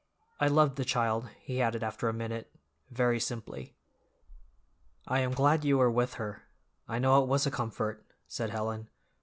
"I loved the child," he added after a minute, very simply. "I am glad you were with her; I know it was a comfort," said Helen.